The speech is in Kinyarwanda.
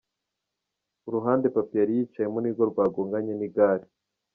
Uruhande Pappy yari yicayemo nirwo rwagonganye n'igare.